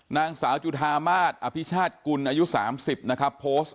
นางสาวจุธามาอภิชาชกุลอายุสามสิบนะครับ